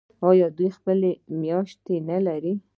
آیا دوی خپلې میاشتې نلري؟